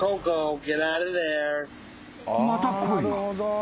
［また声が］